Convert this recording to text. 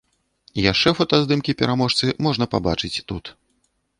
Яшчэ фотаздымкі пераможцы можна пабачыць тут.